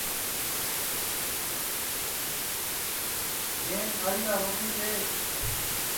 گینٚس آئی گا روٹی پہو